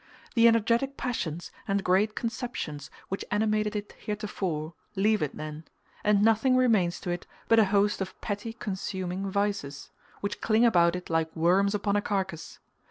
The energetic passions and great conceptions which animated it heretofore, leave it then; and nothing remains to it but a host of petty consuming vices, which cling about it like worms upon a carcass.